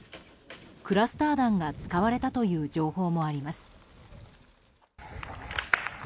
クラスター弾が使われたという情報もあります。